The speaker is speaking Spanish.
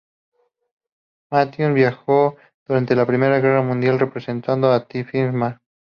Matthews viajó durante la Primera Guerra Mundial representando "The First Mrs.